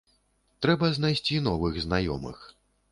Трэба знайсці новых знаёмых.